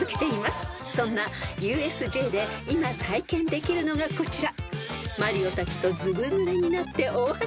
［そんなＵＳＪで今体験できるのがこちら］